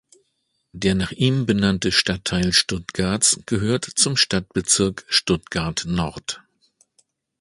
Der nach ihm benannte Stadtteil Stuttgarts gehört zum Stadtbezirk Stuttgart-Nord.